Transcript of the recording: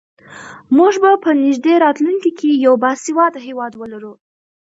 موږ به په نږدې راتلونکي کې یو باسواده هېواد ولرو.